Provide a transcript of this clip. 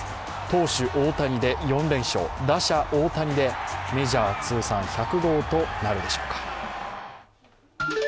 投手・大谷で４連勝、打者・大谷でメジャー通算１００号となるでしょうか。